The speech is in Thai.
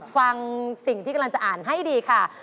ฟังสิ่งที่กำลังจะอ่านให้ดีค่ะ